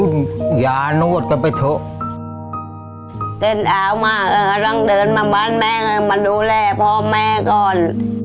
เต้นอาวมากต้องเดินมาบ้านแม่มาดูแลพ่อแม่ก่อน